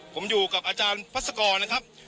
ผมอยู่กับอาจารย์พัศกรนะครับ